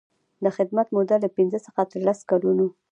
د خدمت موده له پنځه څخه تر لس کلونو.